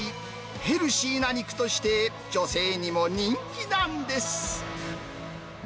ヘルシーな肉として、女性にも人気なんです。